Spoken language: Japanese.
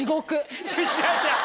違う違う！